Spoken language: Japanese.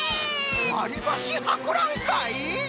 わりばしはくらんかい！？